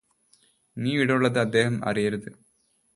നീയിവിടുള്ളത് അദ്ദേഹം അറിയരുത്